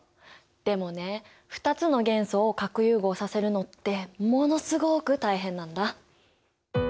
でもね２つの元素を核融合させるのってものすごく大変なんだ。